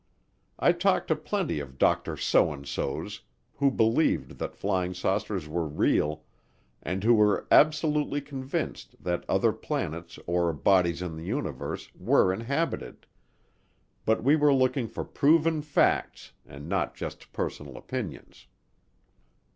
I talked to plenty of Dr. So and So's who believed that flying saucers were real and who were absolutely convinced that other planets or bodies in the universe were inhabited, but we were looking for proven facts and not just personal opinions.